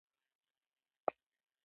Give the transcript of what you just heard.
کورس د تجربې لاسته راوړنه ده.